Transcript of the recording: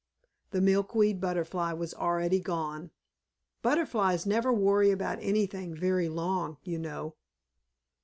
The Milkweed Butterfly was already gone. Butterflies never worry about anything very long, you know.